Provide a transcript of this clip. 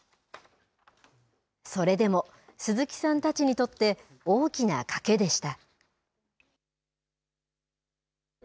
それでも鈴木さんたちにとって大きな賭けでした。